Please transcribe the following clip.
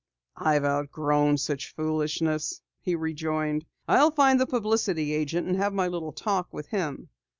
"I've outgrown such foolishness," he rejoined. "I'll find the publicity agent and have my little talk with him."